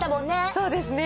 そうですね。